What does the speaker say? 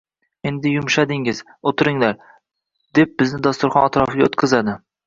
— Endi yumshadingiz. O'tiringlar, — deb bizni dasturxon atrofiga o'tqizadi.